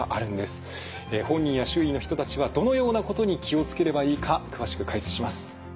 本人や周囲の人たちはどのようなことに気を付ければいいか詳しく解説します。